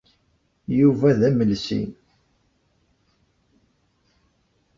Yuba d amelsi.